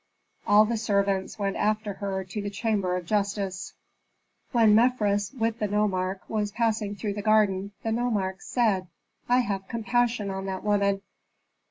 All the servants went after her to the chamber of justice. When Mefres, with the nomarch, was passing through the garden, the nomarch said, "I have compassion on that woman."